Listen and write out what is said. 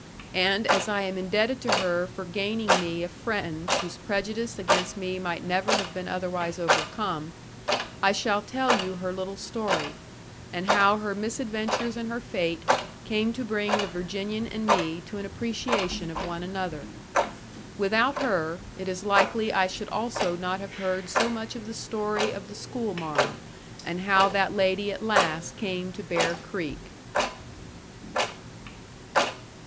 And as I am indebted to her for gaining me a friend whose prejudice against me might never have been otherwise overcome, I shall tell you her little story, and how her misadventures and her fate came to bring the Virginian and me to an appreciation of one another. Without her, it is likely I should also not have heard so much of the story of the schoolmarm, and how that lady at last came to Bear Creek.